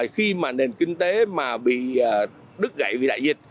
khi mà nền kinh tế mà bị đứt gãy vì đại dịch